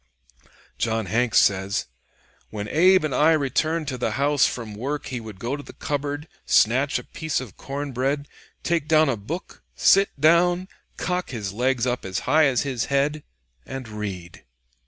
John Hanks says: "When Abe and I returned to the house from work he would go to the cupboard, snatch a piece of corn bread, take down a book, sit down, cock his legs up as high as his head, and read."